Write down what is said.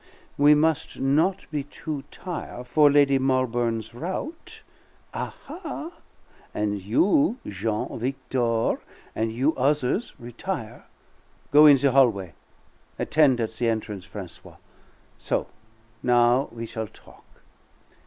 We must not be too tire' for Lady Malbourne's rout. Ha, ha! And you, Jean, Victor, and you others, retire; go in the hallway. Attend at the entrance, Francois. So; now we shall talk.